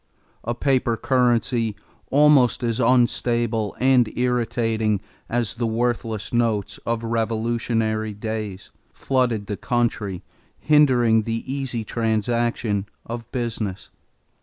A paper currency, almost as unstable and irritating as the worthless notes of revolutionary days, flooded the country, hindering the easy transaction of business.